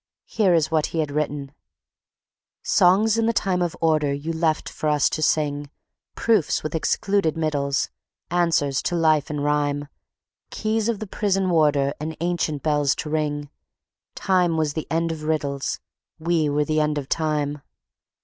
Here is what he had written: "Songs in the time of order You left for us to sing, Proofs with excluded middles, Answers to life in rhyme, Keys of the prison warder And ancient bells to ring, Time was the end of riddles, We were the end of time...